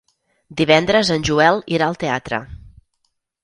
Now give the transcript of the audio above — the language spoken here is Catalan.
Divendres en Joel irà al teatre.